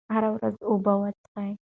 هره ورځ اوبه وڅښئ.